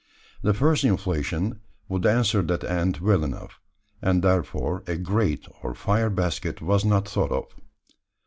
The first inflation would answer that end well enough; and therefore a grate or fire basket was not thought of.